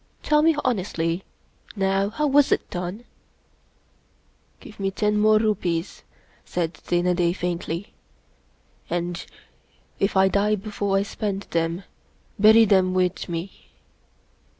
Tell me honestly, now, how was it done ?"" Give me ten more rupees," said Dana Da, faintly, " and if I die before I spend them, bury them with me."